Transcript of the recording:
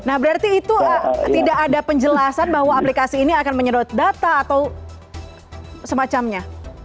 nah berarti itu tidak ada penjelasan bahwa aplikasi ini akan menyedot data atau semacamnya